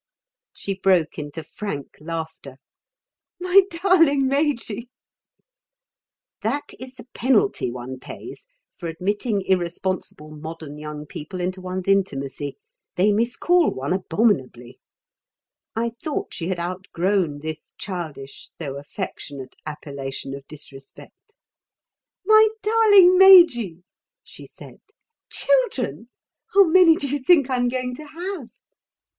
She broke into frank laughter. "My darling Majy " That is the penalty one pays for admitting irresponsible modern young people into one's intimacy. They miscall one abominably. I thought she had outgrown this childish, though affectionate appellation of disrespect. "My darling Majy!" she said. "Children! How many do you think I'm going to have?"